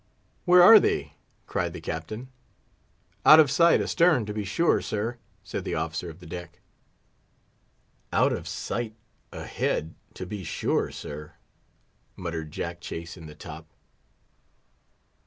"Where are they?" cried the Captain. "Out of sight, astern, to be sure, sir," said the officer of the deck. "Out of sight, ahead, to be sure, sir," muttered Jack Chase, in the top.